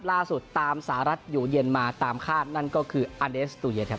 ล่าสุดตามสหรัฐอยู่เย็นมาตามคาดนั่นก็คืออเดสตูเยครับ